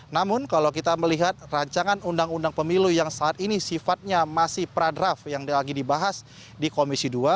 namun kalau kita melihat rancangan undang undang pemilu yang saat ini sifatnya masih pradraf yang lagi dibahas di komisi dua